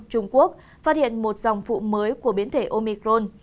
trung quốc phát hiện một dòng phụ mới của biến thể omicron